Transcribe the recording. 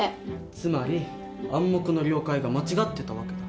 つまり「暗黙の了解」が間違ってた訳だ。